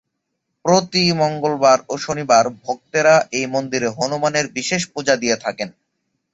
প্রতি মঙ্গলবার ও শনিবার ভক্তেরা এই মন্দিরে হনুমানের বিশেষ পূজা দিয়ে থাকেন।